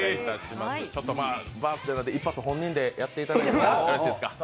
バースデーなんで、一発、本人でやっていただいていいですか？